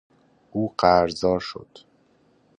او قرضدار شد